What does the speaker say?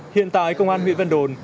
hiện tại công an huyện vân đồn